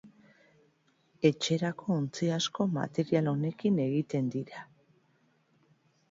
Etxerako ontzi asko material honekin egiten dira.